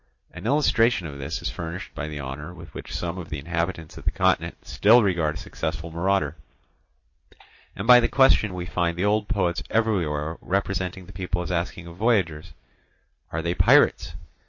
An illustration of this is furnished by the honour with which some of the inhabitants of the continent still regard a successful marauder, and by the question we find the old poets everywhere representing the people as asking of voyagers—"Are they pirates?"